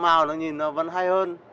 màu nó nhìn nó vẫn hay hơn